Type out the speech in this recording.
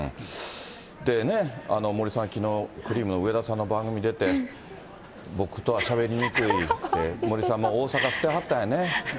でね、森さん、きのう、くりーむの上田さんの番組出て、僕とはしゃべりにくいって、森さんも大阪捨てはったんやね。